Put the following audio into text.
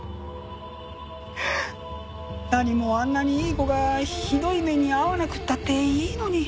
何もあんなにいい子がひどい目に遭わなくたっていいのに。